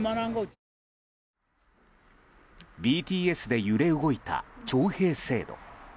ＢＴＳで揺れ動いた徴兵制度。